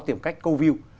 tìm cách câu view